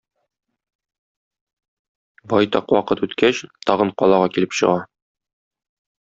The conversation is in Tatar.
Байтак вакыт үткәч, тагын калага килеп чыга.